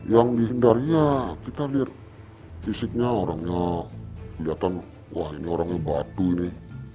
yang dihindari ya kita lihat fisiknya orangnya kelihatan wah ini orangnya batu nih